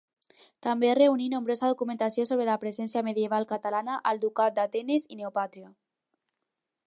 També reuní nombrosa documentació sobre la presència medieval catalana al Ducat d'Atenes i Neopàtria.